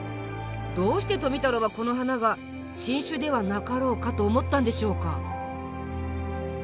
どうして富太郎はこの花が新種ではなかろうかと思ったんでしょうか？